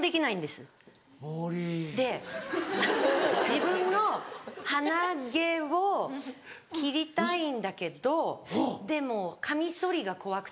自分の鼻毛を切りたいんだけどでもカミソリが怖くて。